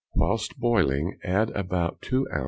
Whilst boiling, add about two oz.